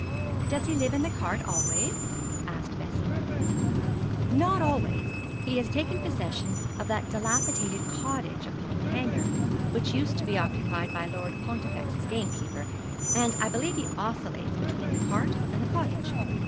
'Does he live in that cart always?' asked Bessie. 'Not always; he has taken possession of that dilapidated cottage upon the Hanger, which used to be occupied by Lord Pontifex's gamekeeper, and I believe he oscillates between the cart and the cottage.